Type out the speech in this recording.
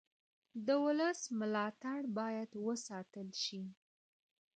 د ولس ملاتړ باید وساتل شي